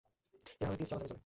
এভাবে তীর চালাচালি চলে।